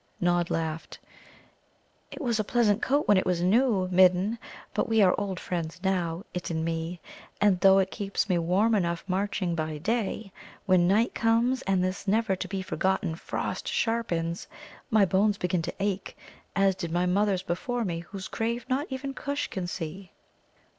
Nod laughed. "It was a pleasant coat when it was new, Midden, but we are old friends now it and me. And though it keeps me warm enough marching by day, when night comes, and this never to be forgotten frost sharpens, my bones begin to ache, as did my mother's before me, whose grave not even Kush can see."